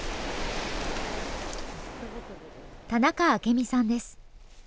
田中明美さんです。